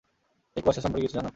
এই কুয়াশা সম্পর্কে কিছু জানো?